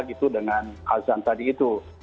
gitu dengan azan tadi itu